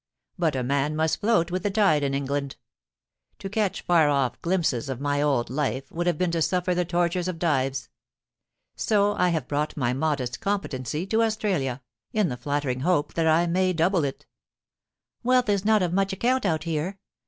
But a man must float with the tide in England. To catch far off glimpses of my old life would have been to suffer the tortures of Dives. So I have brought my modest competency to Australia, in the flattering hope that I may double it.' 'Wealth is not of much account out here.